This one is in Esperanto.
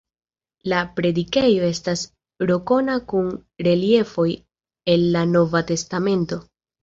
La predikejo estas rokoka kun reliefoj el la Nova Testamento.